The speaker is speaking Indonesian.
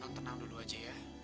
nontonan dulu aja ya